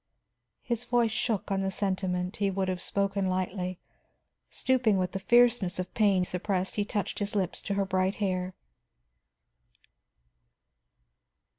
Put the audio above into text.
'" His voice shook on the sentiment he would have spoken lightly; stooping with the fierceness of pain suppressed, he touched his lips to her bright hair.